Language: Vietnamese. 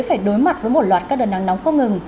phải đối mặt với một loạt các đợt nắng nóng không ngừng